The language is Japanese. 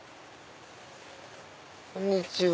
こんにちは。